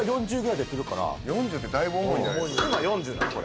４０ってだいぶ重いんじゃないですか？